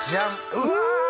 うわ！